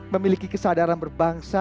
memiliki kesadaran berbangsa